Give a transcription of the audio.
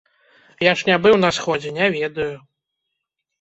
Я ж не быў на сходзе, не ведаю.